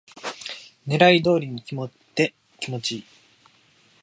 狙い通りに決まって気持ちいい